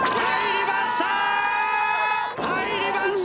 入りました！